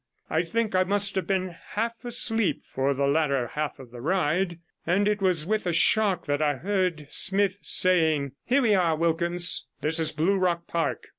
I think I must have been half asleep for the latter half of the ride, and it was with a shock that I heard Smith saying — 'Here we are, Wilkins. This is Blue Rock Park.